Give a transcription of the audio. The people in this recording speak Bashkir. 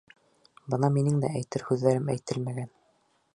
Бына минең дә әйтер һүҙҙәрем әйтелмәгән...